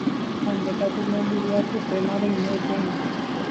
Ha nde katu mombyry asyetéma reime upérõ.